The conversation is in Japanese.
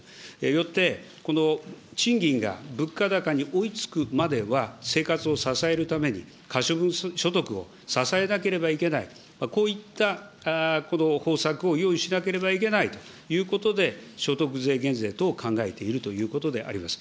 よって、この賃金が物価高に追いつくまでは、生活を支えるために、可処分所得を支えなければいけない、こういった方策を用意しなければいけないということで、所得税減税等を考えているということであります。